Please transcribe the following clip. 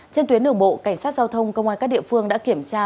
trên tuyến đường bộ cảnh sát giao thông công an các địa phương đã kiểm tra